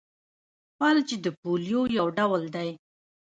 فلج د پولیو یو ډول دی.